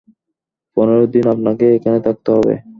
পনেরো দিন আপনাকে এখানে থাকতে হবে।